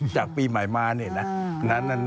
จากปีใหม่มาเนี่ยนะ